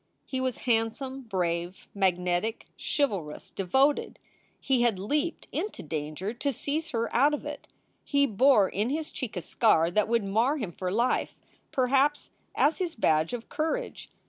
He was handsome, brave, magnetic, chivalrous, devoted. He had leaped into danger to seize her out of it. He bore in his cheek a scar that would mar him for life, perhaps, as his badge of courage.